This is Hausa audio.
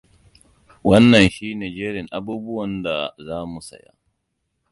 Wannan shi ne jerin abubuwan da za mu saya.